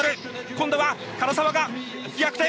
今度は唐澤が逆転！